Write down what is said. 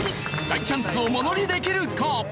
大チャンスをものにできるか？